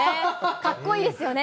かっこいいですよね。